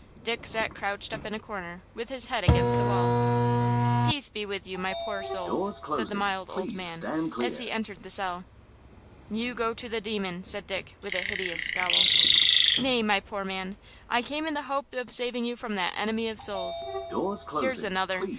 Dick sat crouched up in a corner, with his head against the wall. "Peace be with you, my poor souls," said the mild old man, as he entered the cell. "You go to the demon!" said Dick, with a hideous scowl. "Nay, my poor man, I came in the hope of saving you from that enemy of souls!" "Here's another!